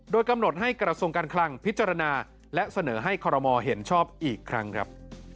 โดยกำหนดให้กระทรวงการคลังพิจารณาและเสนอให้คอรมอลเห็นชอบอีกครั้งครับ